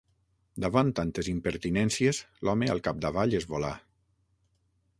Davant tantes impertinències, l'home al capdavall es volà.